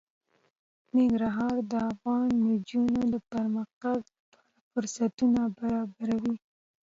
ننګرهار د افغان نجونو د پرمختګ لپاره فرصتونه برابروي.